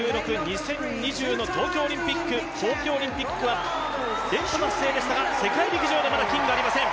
２０１６、２０２０の東京オリンピックは連覇達成でしたが世界陸上でまだ金がありません。